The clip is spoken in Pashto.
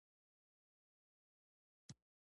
چې زوی یې هغه دی په مغزو کې ښه دی.